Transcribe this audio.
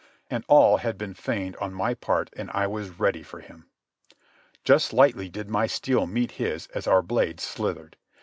And all had been feigned on my part and I was ready for him. Just lightly did my steel meet his as our blades slithered.